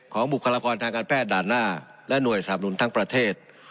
บุคลากรทางการแพทย์ด่านหน้าและหน่วยสับหนุนทั้งประเทศ